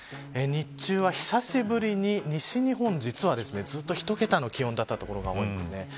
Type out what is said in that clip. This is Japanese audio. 日中は久しぶりに西日本、実はずっと１桁の気温だった所が多いんですね。